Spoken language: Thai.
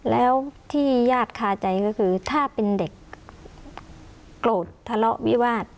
แล้วที่ญาติคาใจก็คือถ้าเป็นเด็กโกรธทะเลาะวิวาส